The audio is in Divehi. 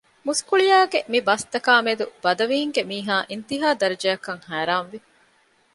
މުސްކުޅިޔާގެ މި ބަސްތަކާއި މެދު ބަދަވީންގެ މީހާ އިންތީހާ ދަރަޖައަށް ހައިރާންވި